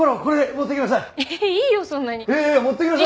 持っていきなさい。